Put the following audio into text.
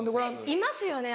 いますよね